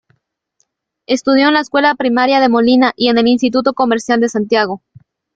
Estudió en la Escuela Primaria de Molina y en el Instituto Comercial de Santiago.